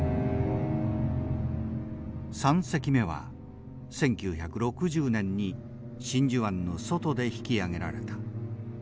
３隻目は１９６０年に真珠湾の外で引き揚げられた。